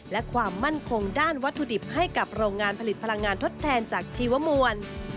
และความมั่นคงด้านวัตถุดิบให้กับโรงงานผลิตพลังงานทดแทนจากชีวมวล